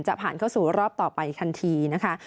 ผ่านเข้าสู่รอบต่อไปทันทีนะคะ